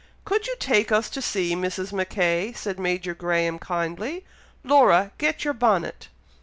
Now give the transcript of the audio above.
"Could you take us to see Mrs. Mackay?" said Major Graham, kindly. "Laura, get your bonnet."